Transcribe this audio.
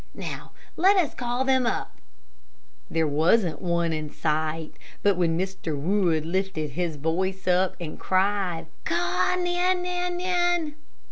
Now, let us call them up." There wasn't one in sight, but when Mr. Wood lifted up his voice and cried: "Ca nan, nan, nan!"